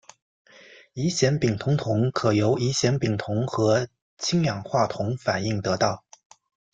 乙酰丙酮铜可由乙酰丙酮和氢氧化铜反应得到。